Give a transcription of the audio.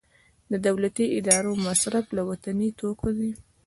د دولتي ادارو مصرف له وطني توکو دی